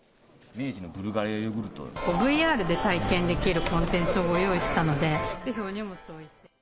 ＶＲで体験できるコンテンツをご用意したので。